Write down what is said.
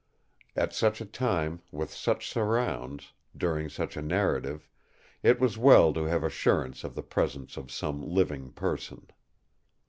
At such a time, with such surrounds, during such a narrative, it was well to have assurance of the presence of some living person.